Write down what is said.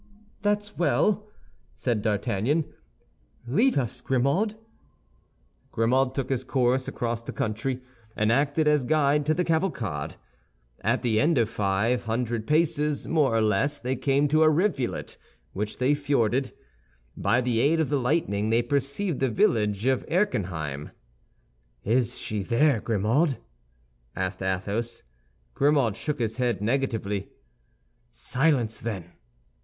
"That's well," said D'Artagnan. "Lead us, Grimaud." Grimaud took his course across the country, and acted as guide to the cavalcade. At the end of five hundred paces, more or less, they came to a rivulet, which they forded. By the aid of the lightning they perceived the village of Erquinheim. "Is she there, Grimaud?" asked Athos. Grimaud shook his head negatively. "Silence, then!"